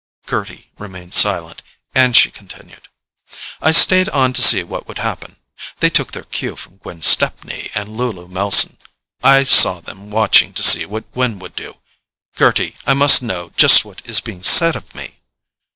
Gerty remained silent, and she continued: "I stayed on to see what would happen. They took their cue from Gwen Stepney and Lulu Melson—I saw them watching to see what Gwen would do.—Gerty, I must know just what is being said of me."